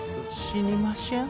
死にませぇん。